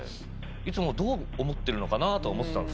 いつもどう思ってるのかな？とは思ってたんですよ。